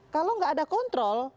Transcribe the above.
kalau nggak ada kontrol